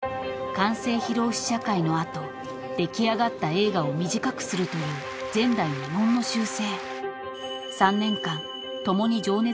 ［完成披露試写会の後出来上がった映画を短くするという前代未聞の修正］